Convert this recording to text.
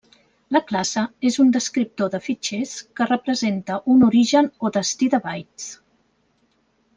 La classe és un descriptor de fitxers que representa un origen o destí de bytes.